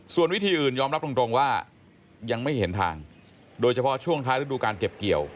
ส่วนวิธีอื่นยอมรับตรงว่ายังไม่เห็นทางโดยเฉพาะช่วงท้ายฤดูการเก็บเกี่ยว